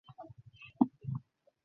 দ্যাখ, seat book করতে পারিস কিনা।